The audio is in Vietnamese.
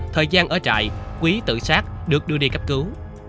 thời gian ở trại quý tự xác được đưa đi cấp cứu